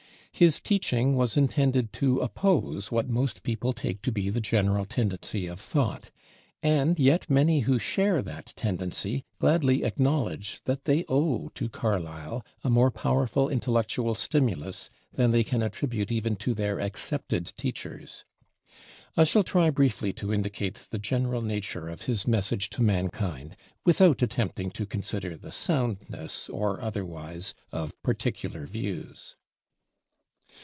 His teaching was intended to oppose what most people take to be the general tendency of thought, and yet many who share that tendency gladly acknowledge that they owe to Carlyle a more powerful intellectual stimulus than they can attribute even to their accepted teachers. I shall try briefly to indicate the general nature of his message to mankind, without attempting to consider the soundness or otherwise of particular views.